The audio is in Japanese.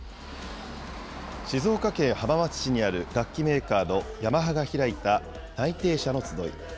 静岡県浜松市にある楽器メーカーのヤマハが開いた内定者の集い。